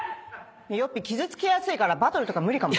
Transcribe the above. よっぴ傷つきやすいからバトルとか無理かも。